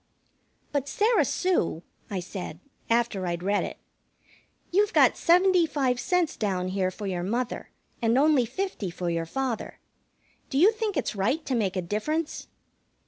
"But, Sarah Sue," I said, after I'd read it, "you've got seventy five cents down here for your mother and only fifty for your father. Do you think it's right to make a difference?"